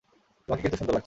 তোমাকে কিন্তু সুন্দর লাগছে।